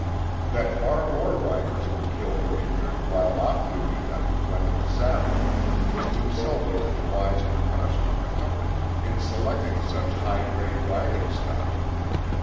That far more riders were killed or injured while off duty than when in the saddle was due solely to the wise precaution of the Company in selecting such high grade riding stock.